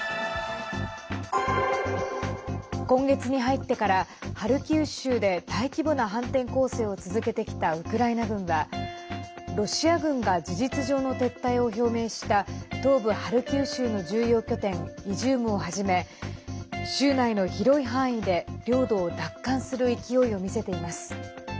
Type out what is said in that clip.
今月に入ってから、ハルキウ州で大規模な反転攻勢を続けてきたウクライナ軍はロシア軍が事実上の撤退を表明した東部ハルキウ州の重要拠点イジュームをはじめ州内の広い範囲で領土を奪還する勢いを見せています。